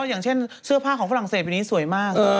อย่างเช่นเสื้อผ้าของฝรั่งเศสอยู่นี้สวยมาก